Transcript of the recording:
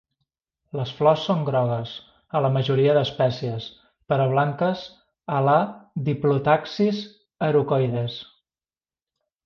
Les flors són grogues a la majoria d'espècies, però blanques a la "Diplotaxis erucoides".